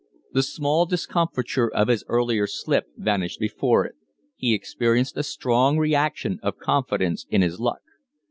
The small discomfiture of his earlier slip vanished before it; he experienced a strong reaction of confidence in his luck.